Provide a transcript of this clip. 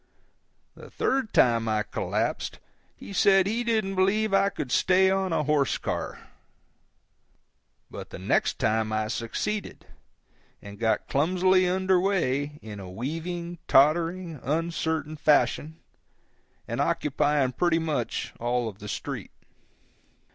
The third time I collapsed he said he didn't believe I could stay on a horse car. But the next time I succeeded, and got clumsily under way in a weaving, tottering, uncertain fashion, and occupying pretty much all of the street.